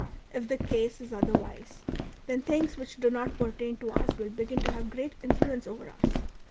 If the case is other wise, then things w^hich do not pertain to us will begin to have great influence over us.